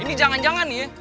ini jangan jangan nih ya